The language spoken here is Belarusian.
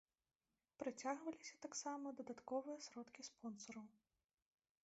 Прыцягваліся таксама дадатковыя сродкі спонсараў.